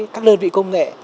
các đơn vị công nghệ